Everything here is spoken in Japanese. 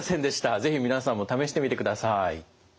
是非皆さんも試してみてください。